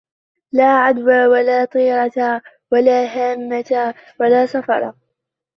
لَا عَدْوَى وَلَا طِيَرَةَ وَلَا هَامَةَ وَلَا صَفَرَ